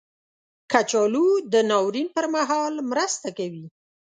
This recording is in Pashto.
کچالو د ناورین پر مهال مرسته کوي